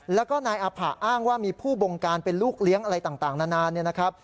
แล้วก็นายอาผะอ้างว่ามีผู้บงการเป็นลูกเลี้ยงอะไรต่างนานเนี่ยนะครับ